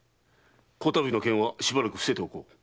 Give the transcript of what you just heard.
此度の件はしばらく伏せておこう。